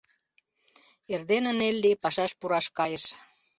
Эрдене Нелли пашаш пураш кайыш.